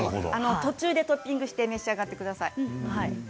途中でトッピングして召し上がってください。